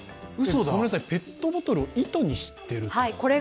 ペットボトルを糸にしてるってこと？